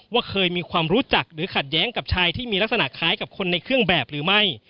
ว่าเคยมีความรู้จักหรือขัดแย้งกับชายที่มีลักษณะคล้ายกับคนในเครื่องแบบหรือไม่